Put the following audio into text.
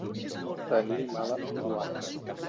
Tenir mala joana.